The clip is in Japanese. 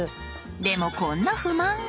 でもこんな不満が。